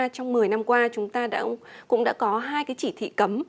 trong một mươi năm qua chúng ta cũng đã có hai cái chỉ thị cấm